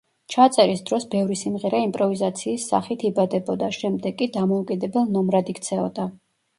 ჩაწერის დროს ბევრი სიმღერა იმპროვიზაციის სახით იბადებოდა, შემდეგ კი დამოუკიდებელ ნომრად იქცეოდა.